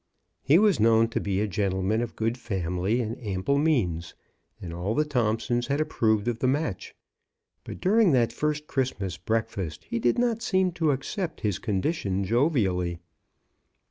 He was known to be a gentleman of good family and ample means, and all the Thompsons had approved of the match ; but during that first Christmas break fast he did not seem to accept his condition jovially.